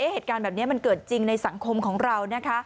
เหตุการณ์แบบนี้มันเกิดจริงในสังคมของเรานะคะ